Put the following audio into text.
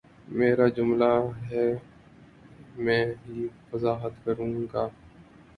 میرا جملہ ہے میں ہی وضاحت کر دوں گا